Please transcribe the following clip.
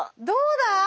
どうだ？